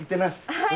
はい。